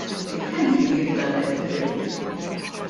Kemm kien jifdallek f'idejk?